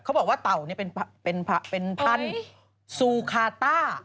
เขาบอกว่าเต่าเป็นพันธุ์ซูคาต้า